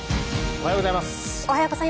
おはようございます。